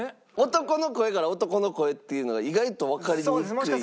男の声から男の声っていうのが意外とわかりにくい？